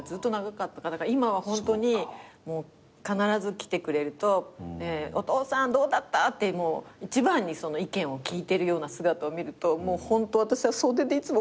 今はホントに必ず来てくれると「お父さんどうだった？」って一番に意見を聞いてるような姿を見ると私は袖でいつもこう涙。